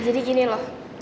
jadi gini loh